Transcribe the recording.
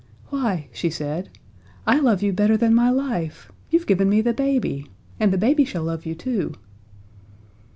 "Why," she said, "I love you better than my life! You've given me the baby and the baby shall love you too."